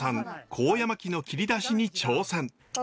高野槙の切り出しに挑戦。